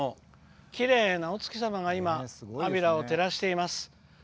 きれいなお月様が安平を照らしています。